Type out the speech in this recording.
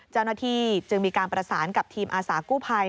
จณฐีจึงมีการประสานกับทีมอาสากู้ภัย